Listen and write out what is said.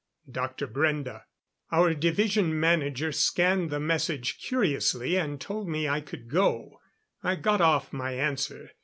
Dr. Brende. Our Division Manager scanned the message curiously and told me I could go. I got off my answer.